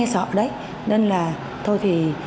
sợ đấy nên là thôi thì